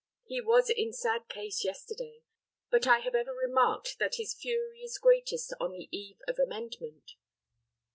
He was in sad case yesterday; but I have ever remarked that his fury is greatest on the eve of amendment.